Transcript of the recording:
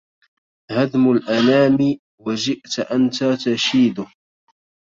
هدم الأنام وجئت انت تشيد